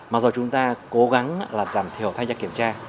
mặc dù chúng ta cố gắng là giảm thiểu thanh tra kiểm tra